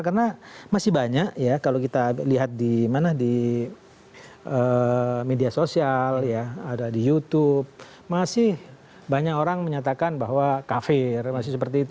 karena masih banyak ya kalau kita lihat di mana di media sosial ya ada di youtube masih banyak orang menyatakan bahwa kafir masih seperti itu